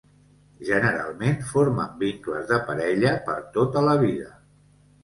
Generalment formen vincles de parella per tota la vida.